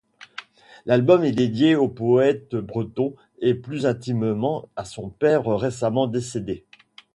L'album est dédié aux poètes bretons et plus intimement à son père récemment décédé.